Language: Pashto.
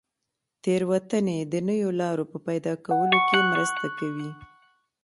تېروتنې د نویو لارو په پیدا کولو کې مرسته کوي.